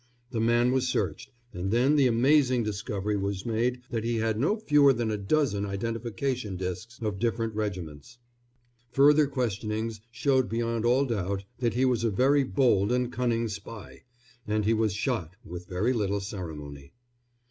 The man was searched, and then the amazing discovery was made that he had no fewer than a dozen identification discs of different regiments. Further questionings showed beyond all doubt that he was a very bold and cunning spy, and he was shot with very little ceremony.